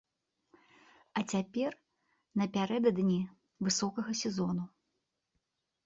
А цяпер напярэдадні высокага сезону.